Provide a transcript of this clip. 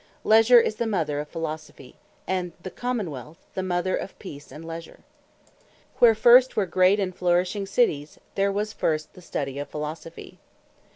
Leasure is the mother of Philosophy; and Common wealth, the mother of Peace, and Leasure: Where first were great and flourishing Cities, there was first the study of Philosophy.